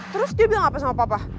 terus dia bilang apa sama papa